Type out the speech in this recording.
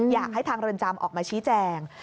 อยากให้ทางเรือนจำออกมาชี้แจง